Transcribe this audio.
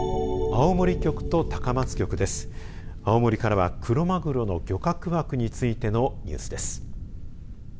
青森からはクロマグロの漁獲枠についてのニュースです。